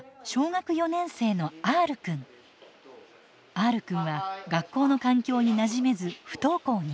Ｒくんは学校の環境になじめず不登校に。